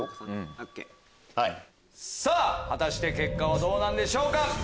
果たして結果はどうなんでしょうか？